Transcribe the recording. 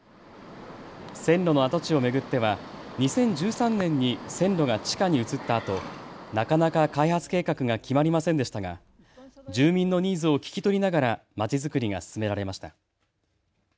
線路の跡地を巡っては２０１３年に線路が地下に移ったあと、なかなか開発計画が決まりませんでしたが住民のニーズを聞き取りながらまちづくりが進められました。